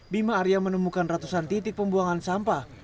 bima arya menemukan ratusan titik pembuangan sampah